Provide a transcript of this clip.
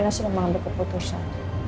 rena sudah mengambil keputusan